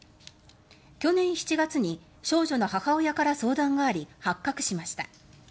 去年７月に少女の母親から相談があり発覚しました。